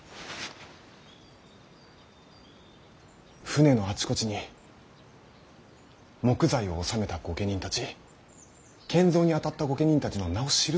船のあちこちに木材を納めた御家人たち建造に当たった御家人たちの名を記すのです。